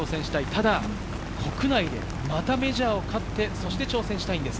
ただ国内で、またメジャーを勝って挑戦したいんです。